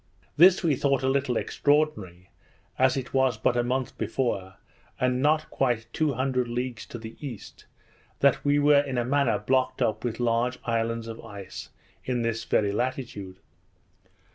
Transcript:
This we thought a little extraordinary, as it was but a month before, and not quite two hundred leagues to the east, that we were in a manner blocked up with large islands of ice in this very latitude.